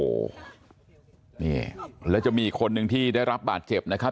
โอ้โหนี่แล้วจะมีอีกคนนึงที่ได้รับบาดเจ็บนะครับ